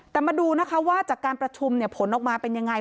แต่มาดูนะคะว่าจากการประชุมเนี่ยผลออกมาเป็นยังไง